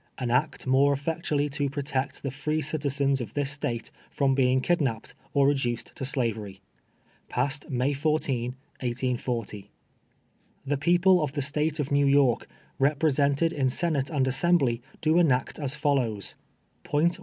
An act 7nore effcctuaUy to protect the free citizens of this State from being kidnapped^ or reduced to Slavery. [Passed ]\Iay 14, 1840.] Tlie People of the State of New Yorlv, represented in Sen ate and Assembly, do enact as follows :§ 1.